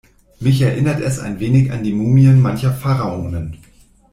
Mich erinnert es ein wenig an die Mumien mancher Pharaonen.